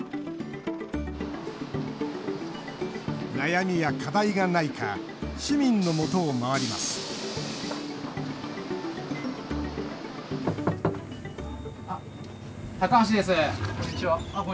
悩みや課題がないか市民のもとを回ります高橋です。